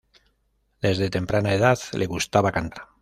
Desde temprana edad le gustaba cantar.